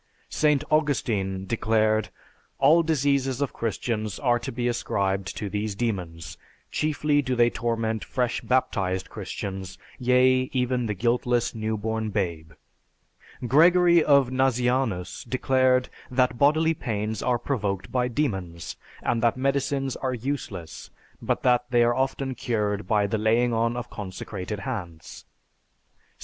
St. Augustine declared, "All diseases of Christians are to be ascribed to these demons, chiefly do they torment fresh baptized Christians, yea, even the guiltless, new born babe." Gregory of Nazianzus declared that bodily pains are provoked by demons, and that medicines are useless, but that they are often cured by the laying on of consecrated hands. St.